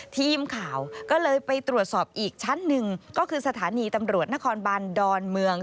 ทีมข่าวก็เลยไปตรวจสอบอีกชั้นหนึ่งก็คือสถานีตำรวจนครบันดอนเมือง